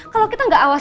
kalau kita gak awas